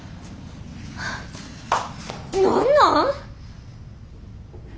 何なん！